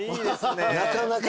なかなかの。